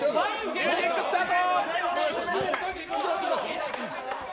ミュージックスタート。